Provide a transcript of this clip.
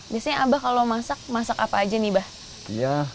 biasanya abah kalau masak masak apa aja nih abah